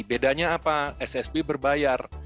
bedanya apa ssb berbayar